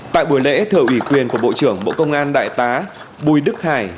tại buổi lễ thờ ủy quyền của bộ trưởng bộ công an đại tá bùi đức hải